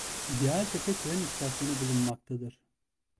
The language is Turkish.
İdealtepe Tren İstasyonu bulunmaktadır.